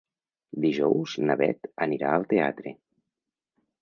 Dijous na Bet anirà al teatre.